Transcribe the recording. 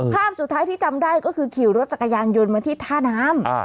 ภาพสุดท้ายที่จำได้ก็คือขี่รถจักรยานยนต์มาที่ท่าน้ำ